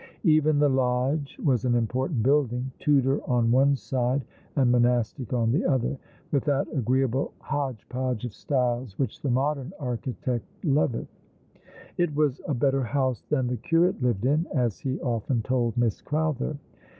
Even the lodge was an important building, Tudor on one side, and monastic on the other ; with that agreeable hodge j)odge of styles which the modern architect loveth. It was a better house than the curate lived in, as he often told Miss Crowther.